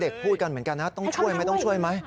พูดกันเหมือนกันนะต้องช่วยไหมต้องช่วยไหม